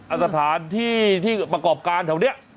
อัตภาพที่ประกอบการแถวนี้